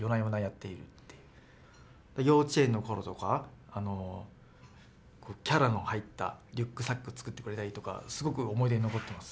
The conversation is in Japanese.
幼稚園の頃とかキャラの入ったリュックサック作ってくれたりとかすごく思い出に残ってます。